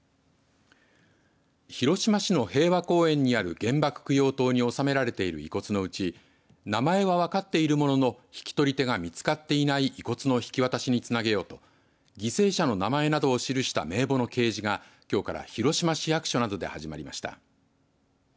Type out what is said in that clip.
広島市の平和公園にある原爆供養塔に納められている遺骨のうち名前は分かっているものの引き取り手が見つかっていない遺骨の引き渡しにつなげようと犠牲者の名前などを記した名簿の掲示がきょうから広島市役所などで始まりました。